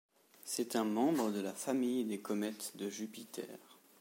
C'est un membre de la famille des comètes de Jupiter.